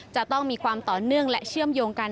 จะต้องมีความต่อเนื่องและเชื่อมโยงกัน